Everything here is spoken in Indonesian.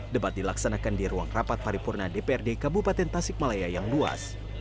debat dilaksanakan di ruang rapat paripurna dprd kabupaten tasikmalaya yang luas